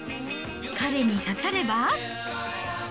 彼にかかれば。